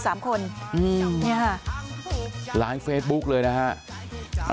อืมนี่ค่ะไลน์เฟสบุ๊คเลยนะฮะ